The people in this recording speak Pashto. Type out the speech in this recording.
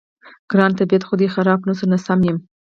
ګرانه، طبیعت خو دې خراب نه شو؟ نه، سم یم.